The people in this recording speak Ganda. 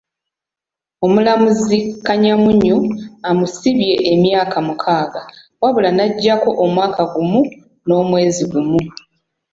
Omulamuzi, Kanyamunyu amusibye emyaka mukaaga wabula n'aggyako omwaka gumu n'omwezi gumu .